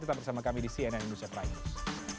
tetap bersama kami di cnn indonesia prime news